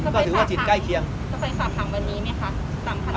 ก็ถือว่าจิตใกล้เคียงจะไปฝากหางวันนี้ไหมคะ